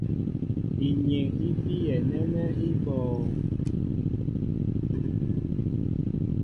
Inyeŋ í biyɛ nɛ́nɛ́ í bɔ̄ɔ̄ŋ.